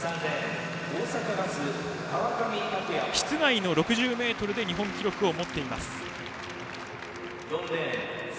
川上拓也は室内の６０ｍで日本記録を持っています。